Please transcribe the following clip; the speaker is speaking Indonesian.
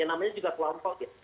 yang namanya juga kelompok ya